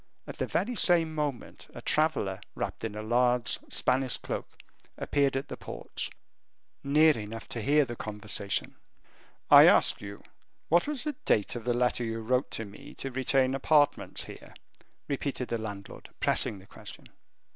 At the very same moment, a traveler, wrapped in a large Spanish cloak, appeared at the porch, near enough to hear the conversation. "I ask you what was the date of the letter you wrote to me to retain apartments here?" repeated the landlord, pressing the question.